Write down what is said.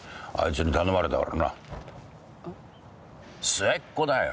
末っ子だよ。